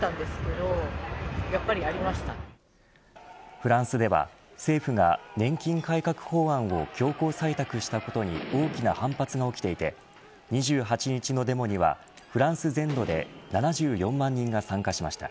フランスでは政府が年金改革法案を強行採択したことに大きな反発が起きていて２８日のデモにはフランス全土で７４万人が参加しました。